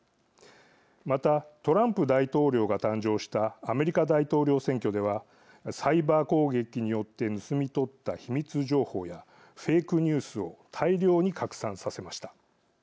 また、トランプ大統領が誕生したアメリカ大統領選挙ではサイバー攻撃によって盗み取った秘密情報やフェイクニュースを大量に拡散させました。